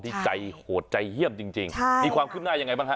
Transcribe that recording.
ที่ใจโหดใจเหี้ยมจริงมีความขึ้นหน้าอย่างไรมั้ง